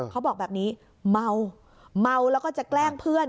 เขาบอกแบบนี้เมาเมาแล้วก็จะแกล้งเพื่อน